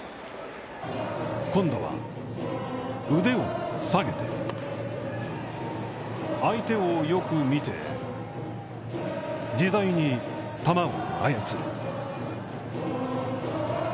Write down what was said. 今度は腕を下げて相手をよく見て自在に球を操る。